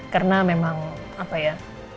karena memang apa ya